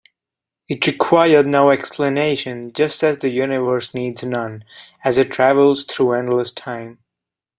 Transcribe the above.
It required no explanation, just as the universe needs none as it travels through endless time.